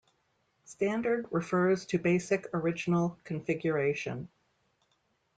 Standard refers to basic original configuration.